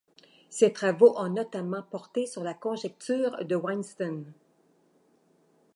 Ses travaux ont notamment porté sur la conjecture de Weinstein.